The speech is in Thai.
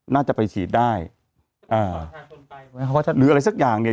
น่าจะไปฉีดได้อ่าหรืออะไรสักอย่างเนี่ย